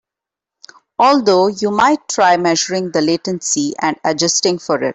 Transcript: Although you might try measuring the latency and adjusting for it.